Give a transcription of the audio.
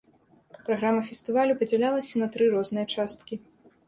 Праграма фестывалю падзялялася на тры розныя часткі.